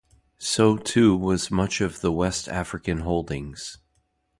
So too was much of the West African holdings.